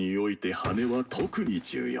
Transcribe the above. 羽は特に重要だ。